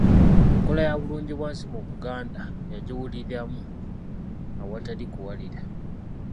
Enkola ya bulungibwansi mu Buganda bagiwuliriramu awatali kuwalira.